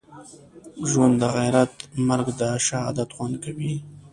ژوند دغیرت مرګ دښهادت خوند کوی